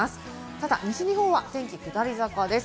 ただ西日本は天気、下り坂です。